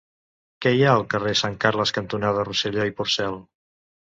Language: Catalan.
Què hi ha al carrer Sant Carles cantonada Rosselló i Porcel?